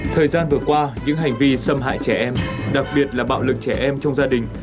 thời gian vừa qua những hành vi xâm hại trẻ em đặc biệt là bạo lực trẻ em trong gia đình